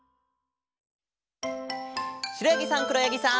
しろやぎさんくろやぎさん。